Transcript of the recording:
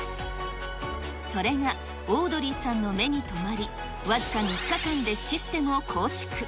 それがオードリーさんの目に留まり、僅か３日間でシステムを構築。